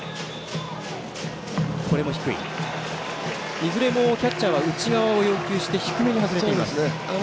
いずれもキャッチャーは内側を要求して低めに外れています。